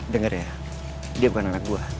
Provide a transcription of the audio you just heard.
dengar ya dia bukan anak buah